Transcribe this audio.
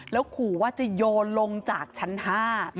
แล้วขู่ว่าจะโยนลงจากชั้นห้า